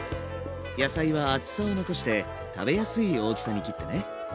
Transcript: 野菜は厚さを残して食べやすい大きさに切ってね。